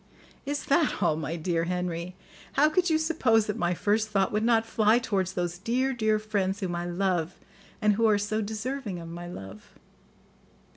"Is that all, my dear Henry? How could you suppose that my first thought would not fly towards those dear, dear friends whom I love and who are so deserving of my love?"